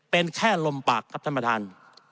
เป็นแค่ลมปากครับท่านประธาน